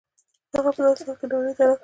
هغه په داسې حال کې نړۍ ته راغی.